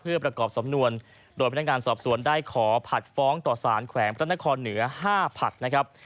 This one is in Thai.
เพื่อประกอบสำนวนโดยพนักงานสอบสวนได้ขอผัดฟ้องต่อสารแขวงพระนครเหนือ๕ผัดนะครับ